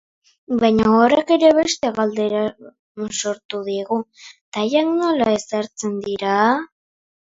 Baina horrek ere beste galdera sortu digu, tailak nola ezartzen dira?